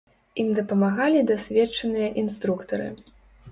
Ім дапамагалі дасведчаныя інструктары.